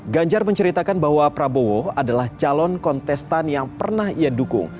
ganjar menceritakan bahwa prabowo adalah calon kontestan yang pernah ia dukung